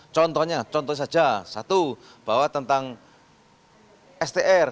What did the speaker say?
contohnya contoh saja satu bahwa tentang str